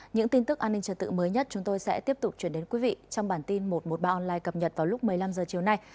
những tin tức an ninh trật tự mới nhất chúng tôi sẽ tiếp tục chuyển đến quý vị trong bản tin một trăm một mươi ba online cập nhật vào lúc một mươi năm h chiều nay